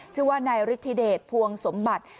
ชื่อว่านายฤทธิเดชภวงสมบัติ